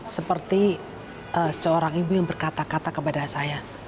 seperti seorang ibu yang berkata kata kepada saya